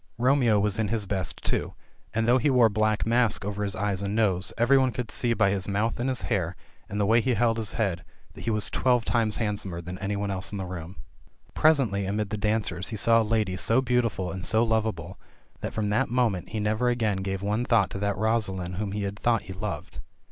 Romeo was in his best too, and though he wore a black mask over his eyes and nose, every one could see by his mouth and his hair, and the way he held his head, that he was twelve times handsomer than any one else in the room. I THE CHILDREN'S SHAKESPEARE. Presently amid the dancers he saw a lady so beautiful and so lov able, that from that moment he never again gave one thought to that Rosaline whom he had thought he loved.